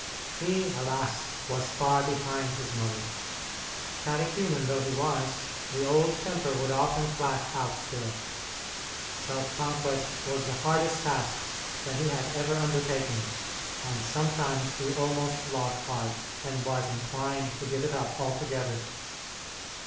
He, alas! was far behind his mother. Catechumen though he was, the old temper would often flash out still. Self conquest was the hardest task that he had ever undertaken, and sometimes he almost lost heart, and was inclined to give it up altogether.